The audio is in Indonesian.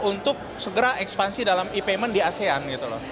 untuk segera ekspansi dalam e payment di asean